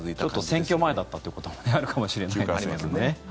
選挙前だったということもあるかもしれないですけどね。